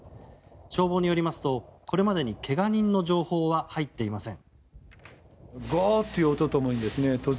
消防によりますとこれまでに怪我人の情報は入っていません。